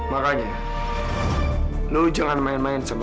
makanya lu jangan main main sama gue